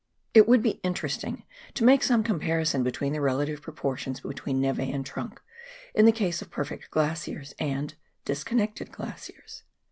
It would be interesting to make some comparison between the relative proportions between neve and trunk in the case of perfect glaciers and "disconnected" glaciers.